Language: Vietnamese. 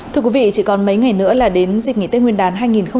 thưa quý vị chỉ còn mấy ngày nữa là đến dịp nghỉ tết nguyên đán hai nghìn hai mươi bốn